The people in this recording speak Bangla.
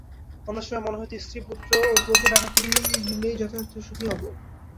অন্য সময়ে মনে হইত, স্ত্রী-পুত্র ও প্রচুর টাকাকড়ি হইলেই যথার্থ সুখী হইব।